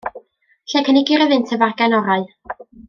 Lle y cynigir iddynt y fargen orau?